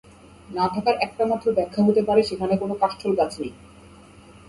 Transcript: না থাকার একটামাত্র ব্যাখ্যা হতে পারে সেখানে কোন কাষ্ঠলগাছ নেই।